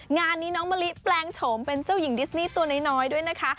งานนี้น้องมะลิแปลงโฉมเป็นเจ้าหญิงดิสนี่ตัวน้อยด้วยนะคะ